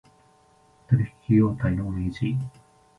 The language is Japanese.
取引態様の明示